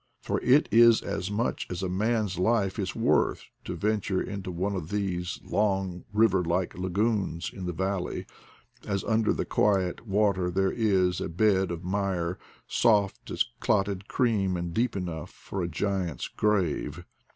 for it is as much / as a man's life is worth to venture into one of/ these long river like lagoons in the valley, as un 1 der the quiet water there is a bed of mire, soft as clotted cream, and deep enough for a giant's grave.